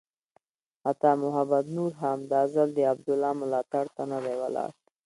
عطا محمد نور هم دا ځل د عبدالله ملاتړ ته نه دی ولاړ.